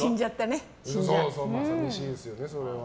寂しいですよね、それは。